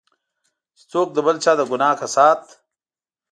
چې څوک د بل چا د ګناه کسات.